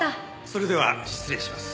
それでは失礼します。